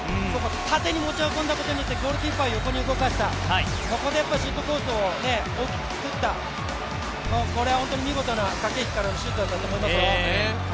縦に持ち運んだことによってゴールキーパーを横に動かした、ここでシュートコースを大きく造った、これは本当に見事な駆け引きからのシュートだったと思いますよ。